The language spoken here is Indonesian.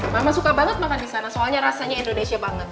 mama suka banget makan disana soalnya rasanya indonesia banget